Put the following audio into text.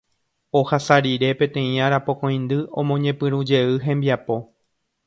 Ohasa rire peteĩ arapokõindy omoñepyrũjey hembiapo.